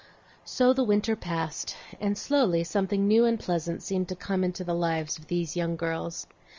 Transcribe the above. So the winter passed, and slowly something new and pleasant seemed to come into the lives of these young girls.